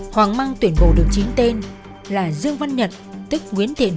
hoàng măng tuyển bộ được chính tên là dương văn nhật tức nguyễn thiện hồi